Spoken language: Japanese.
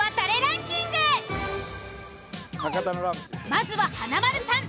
まずは華丸さん。